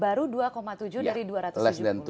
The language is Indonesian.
baru rp dua tujuh dari rp dua ratus tujuh puluh triliun